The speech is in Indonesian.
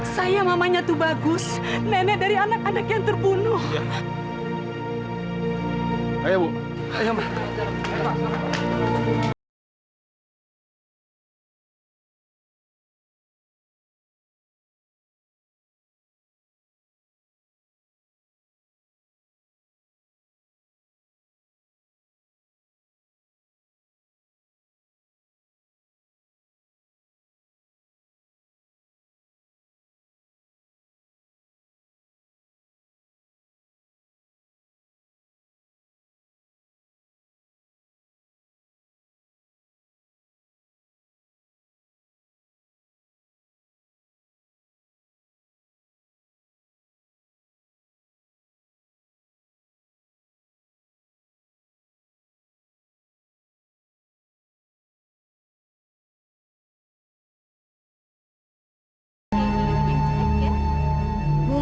saya mamanya tuh bagus nenek dari anak anak yang terbunuh